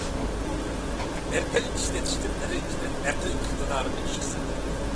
ئەقىل ئىشلىتىشتە بىرىنچىدىن: ئەقىل ئىقتىدارنى ئىشقا سېلىڭ.